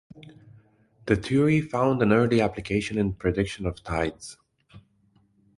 The theory found an early application in prediction of tides.